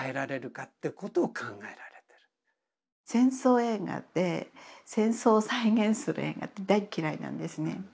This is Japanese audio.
戦争映画って戦争を再現する映画って大嫌いなんですね。